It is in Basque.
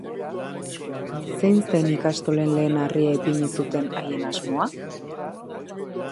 Zein zen ikastolen lehen harria ipini zuten haien asmoa?